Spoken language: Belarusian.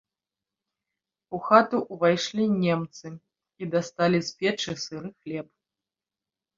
У хату ўвайшлі немцы і дасталі з печы сыры хлеб.